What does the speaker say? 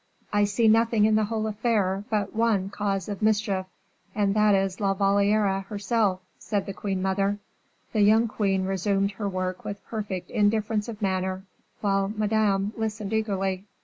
"I see nothing in the whole affair but one cause of mischief, and that is La Valliere herself," said the queen mother. The young queen resumed her work with perfect indifference of manner, while Madame listened eagerly.